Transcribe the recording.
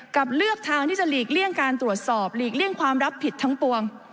เลือกทางที่จะหลีกเลี่ยงการตรวจสอบหลีกเลี่ยงความรับผิดทั้งปวง